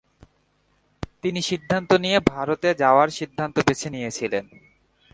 তিনি সিদ্ধান্ত নিয়ে ভারতে যাওয়ার সিদ্ধান্ত বেছে নিয়েছিলেন।